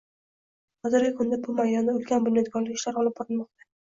Hozirgi kunda bu maydonda ulkan bunyodkorlik ishlari olib borilmoqda